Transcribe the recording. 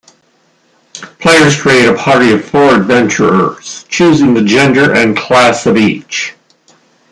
Players create a party of four adventurers, choosing the gender and class of each.